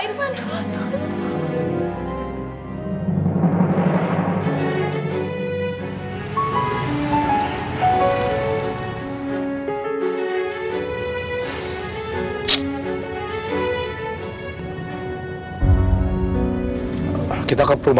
ya halo ada apa